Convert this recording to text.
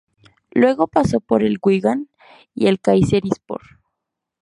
Luego pasó por el Wigan y el Kayserispor.